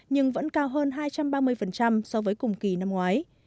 nhưng vẫn cao hơn hai trăm ba mươi so với cùng kỳ năm ngoái